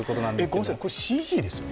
ごめんなさい、ＣＧですよね？